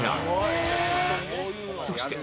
そして